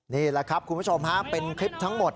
นี่แหละครับคุณผู้ชมฮะเป็นคลิปทั้งหมด